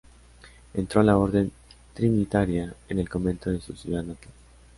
Entró a la Orden Trinitaria en el convento de su ciudad natal.